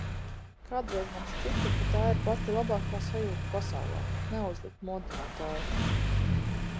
Kādreiz man šķita, ka tā ir pati labākā sajūta pasaulē – neuzlikt modinātāju.